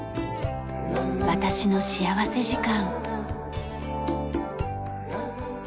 『私の幸福時間』。